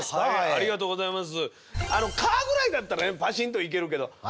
ありがとうございます。